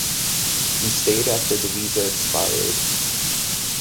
He stayed after the visa expired.